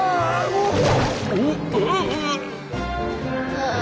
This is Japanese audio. ああ。